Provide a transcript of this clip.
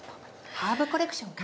ハーブコレクションか。